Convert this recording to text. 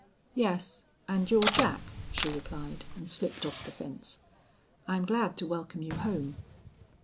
"Yes. And you're Jack," she replied, and slipped off the fence. "I'm glad to welcome you home."